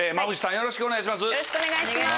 よろしくお願いします。